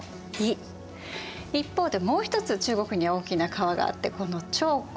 一方でもう一つ中国には大きな川があってこの長江。